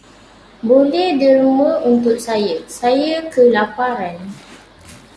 Boleh derma untuk saya, saya kelaparan.